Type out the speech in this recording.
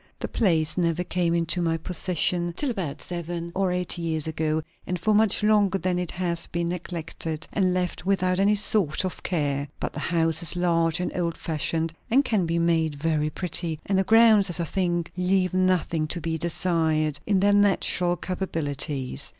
The place never came into my possession till about seven or eight years ago; and for much longer than that it has been neglected and left without any sort of care. But the house is large and old fashioned, and can be made very pretty; and the grounds, as I think, leave nothing to be desired, in their natural capabilities.